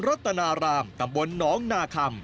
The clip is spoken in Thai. ย์รัฐนารามตำบลนองหนาค่ำ